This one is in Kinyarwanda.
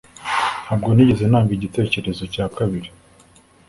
Ntabwo nigeze ntanga igitekerezo cya kabiri